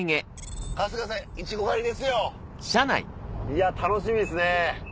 いや楽しみですね。